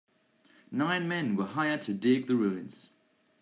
Nine men were hired to dig the ruins.